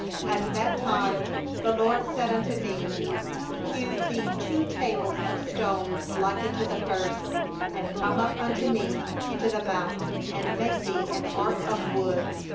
At that time the LORD said unto me: 'Hew thee two tables of stone like unto the first, and come up unto Me into the mount; and make thee an ark of wood.